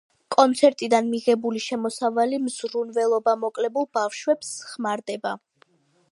კონცერტებიდან მიღებული შემოსავალი მზრუნველობამოკლებულ ბავშვებს ხმარდება.